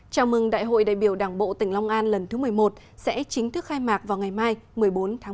chào mừng đại hội đại biểu đảng bộ tỉnh long an lần thứ một mươi một sẽ chính thức khai mạc vào ngày mai một mươi bốn tháng một mươi